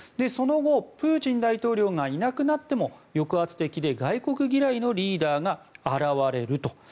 その後、プーチン大統領がいなくなっても抑圧的で外国嫌いのリーダーが現れると。